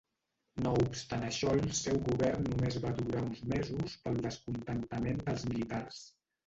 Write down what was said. No obstant això el seu govern només va durar uns mesos pel descontentament dels militars.